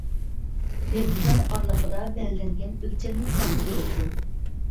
رېلىسلار ئارىلىقىدا بەلگىلەنگەن ئۆلچەملىك كەڭلىك بولىدۇ.